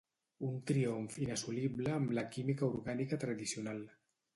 Un triomf inassolible amb la química orgànica tradicional.